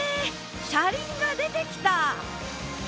車輪が出てきた！